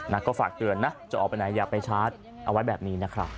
นะก็ฝากเตือนนะจะออกไปไหนอย่าไปชาร์จเอาไว้แบบนี้นะครับ